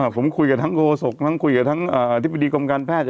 ผมคุยกับทั้งโฆษกทั้งคุยกับทั้งอธิบดีกรมการแพทย์